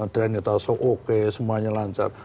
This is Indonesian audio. dan kita langsung oke semuanya lancar